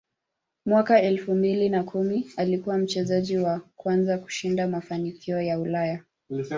Mwaka elfu mbili na kumi alikuwa mchezaji wa kwanza kushinda mafanikio ya Ulaya